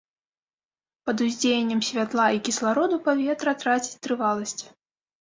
Пад уздзеяннем святла і кіслароду паветра траціць трываласць.